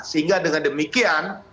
sehingga dengan demikian